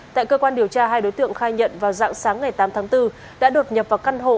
tại cơ quan điều tra hai đối tượng khai nhận vào dạng sáng ngày tám tháng bốn đã đột nhập vào căn hộ